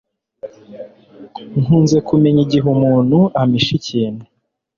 Nkunze kumenya igihe umuntu ampishe ikintu.